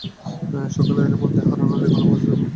সকালের মধ্যেই হারানো লেগুনে পৌছে যাব।